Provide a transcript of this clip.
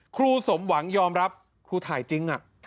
ครูสมหวังยอมรับครูถ่ายจริง